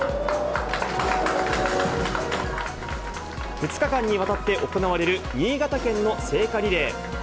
２日間にわたって行われる新潟県の聖火リレー。